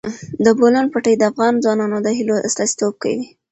د بولان پټي د افغان ځوانانو د هیلو استازیتوب کوي.